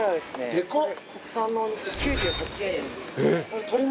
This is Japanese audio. でかっ！